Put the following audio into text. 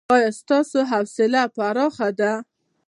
ایا ستاسو حوصله پراخه ده؟